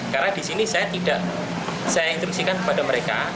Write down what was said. karena disini saya tidak saya instruksi kepada mereka